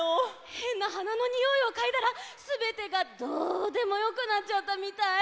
へんなはなのにおいをかいだらすべてがどうでもよくなっちゃったみたい。